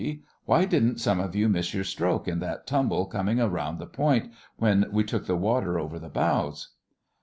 Why didn't some of you miss your stroke in that tumble coming round the point when we took the water over the bows?